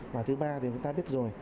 và thứ ba thì người ta biết rồi